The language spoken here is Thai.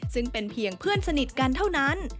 ซึ่งเป็นเพียงเพื่อนสนิทกันเท่านั้น